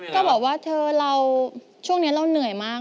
ก็บอกว่าเธอเราช่วงนี้เราเหนื่อยมาก